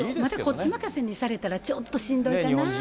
こっち任せにされたらちょっとしんどいかな。